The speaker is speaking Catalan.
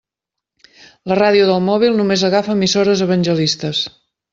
La ràdio del mòbil només agafa emissores evangelistes.